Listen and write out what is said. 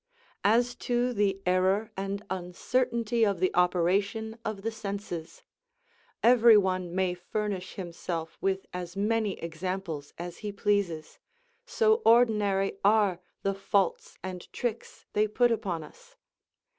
As to the error and uncertainty of the operation of the senses, every one may furnish himself with as many examples as he pleases; so ordinary are the faults and tricks they put upon us.